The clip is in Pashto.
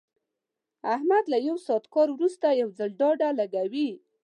احمد له یو ساعت کار ورسته یو ځل ډډه لګوي.